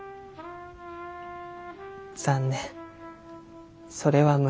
残念それは無理。